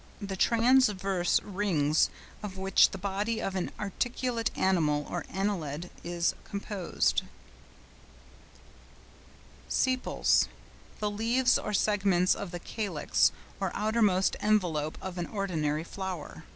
—The transverse rings of which the body of an articulate animal or annelid is composed. SEPALS.—The leaves or segments of the calyx, or outermost envelope of an ordinary flower.